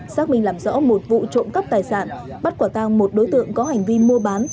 xác minh làm rõ một vụ trộm cắp tài sản bắt quả tang một đối tượng có hành vi mua bán